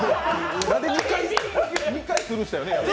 なんで２回、スルーしたよね。